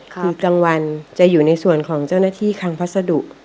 คือกลางวันจะอยู่ในส่วนของเจ้าหน้าที่คังพัสดุ